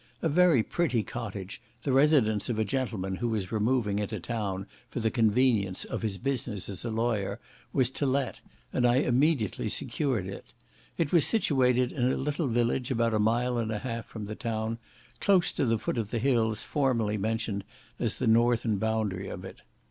A very pretty cottage, the residence of a gentleman who was removing into town, for the convenience of his business as a lawyer, was to let, and I immediately secured it. It was situated in a little village about a mile and a half from the town, close to the foot of the hills formerly mentioned as the northern boundary of it.